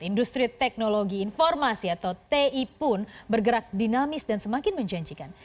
industri teknologi informasi atau ti pun bergerak dinamis dan semakin menjanjikan